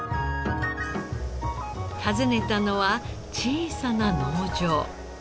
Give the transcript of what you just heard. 訪ねたのは小さな農場。